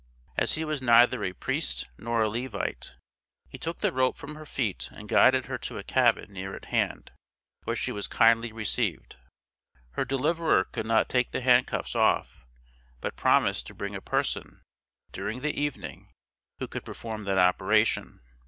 As he was neither a priest nor a Levite, he took the rope from her feet and guided her to a cabin near at hand, where she was kindly received. Her deliverer could not take the hand cuffs off, but promised to bring a person, during the evening, who could perform that operation.